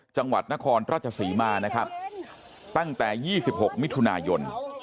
จังหวัดนครราชศรีมานะครับตั้งแต่๒๖มิถุนายน